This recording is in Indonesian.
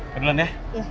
ke duluan ya